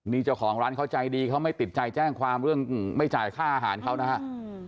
นี่เจ้าของร้านเขาใจดีเขาไม่ติดใจแจ้งความเรื่องไม่จ่ายค่าอาหารเขานะครับ